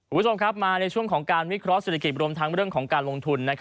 สวัสดีครับมาในช่วงของการวิเคราะห์เศรษฐกิจบริโลมทางเรื่องของการลงทุน